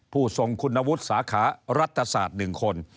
ผู้ทรงคุณวุฒิสาขารัฐศาสตร์๑คน